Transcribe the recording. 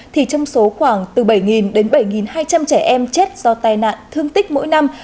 thì trong số khoảng từ bảy đến bảy hai trăm linh trẻ em chết do tai nạn thương tích mỗi năm